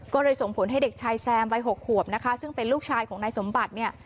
ก็เลยส่งผลให้เด็กชายแซมวัย๖ขวบนะคะซึ่งเป็นลูกชายของนายสมบัติเนี่ย